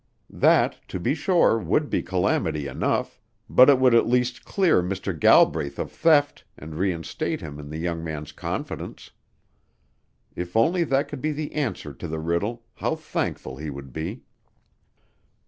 That, to be sure, would be calamity enough, but it would at least clear Mr. Galbraith of theft and reinstate him in the young man's confidence. If only that could be the answer to the riddle, how thankful he would be!